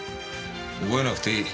覚えなくていい。